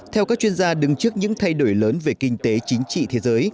theo các chuyên gia đứng trước những thay đổi lớn về kinh tế chính trị thế giới